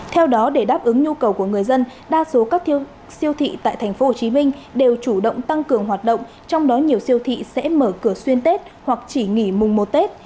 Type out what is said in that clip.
theo đó để đáp ứng nhu cầu của người dân đa số các siêu thị tại tp hcm đều chủ động tăng cường hoạt động trong đó nhiều siêu thị sẽ mở cửa xuyên tết hoặc chỉ nghỉ mùng một tết